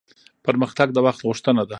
پرمختګ د وخت غوښتنه ده